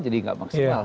jadi nggak maksimal